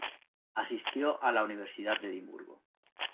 Asistió a la Universidad de Edimburgo.